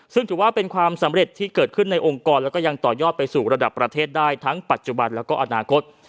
ซึ่งถือว่าเป็นความสำเร็จที่เกิดขึ้นในองค์กรแล้วก็ยังต่อยอดไปสู่ระดับประเทศได้ทั้งปัจจุบันแล้วก็อนาคต